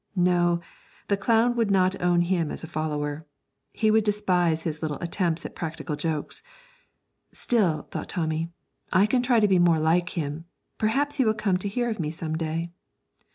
No, the clown would not own him as a follower: he would despise his little attempts at practical jokes. 'Still,' thought Tommy, 'I can try to be more like him; perhaps he will come to hear of me some day!'